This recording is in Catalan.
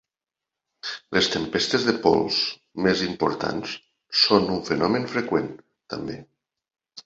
Les tempestes de pols més importants són un fenomen freqüent, també.